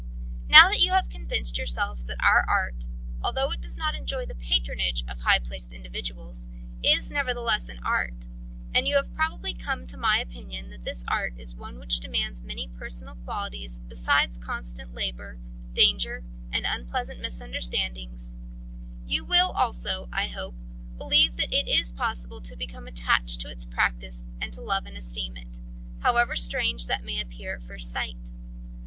Now that you have convinced yourselves that our art, although it does not enjoy the patronage of high placed individuals, is nevertheless an art; and you have probably come to my opinion that this art is one which demands many personal qualities besides constant labour, danger, and unpleasant misunderstandings you will also, I hope, believe that it is possible to become attached to its practice and to love and esteem it, however strange that may appear at first sight.